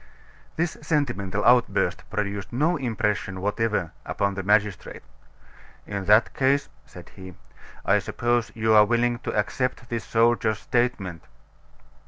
This sentimental outburst produced no impression whatever upon the magistrate. "In that case," said he, "I suppose you are willing to accept this soldier's statement."